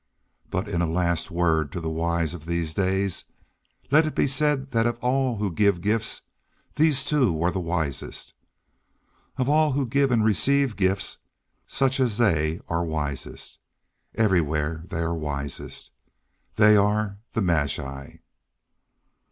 But in a last word to the wise of these days let it be said that of all who give gifts these two were the wisest. Of all who give and receive gifts, such as they are wisest. Everywhere they are wisest. They are the magi.